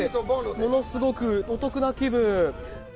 ものすごくお得な気分。